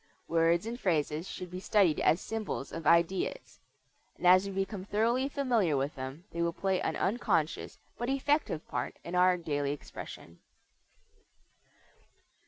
Words and phrases should be studied as symbols of ideas, and as we become thoroughly familiar with them they will play an unconscious but effective part in our daily expression.